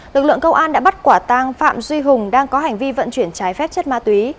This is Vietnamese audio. lực lượng công an đã bắt quả tang phạm duy hùng đang có hành vi vận chuyển trái phép chất ma túy